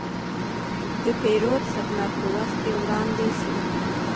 د پیرود خدمت په وخت وړاندې شو.